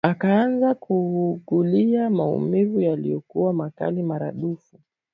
Akaanza kuugulia maumivu yaliyokuwa makali maradufu